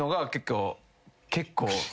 結構。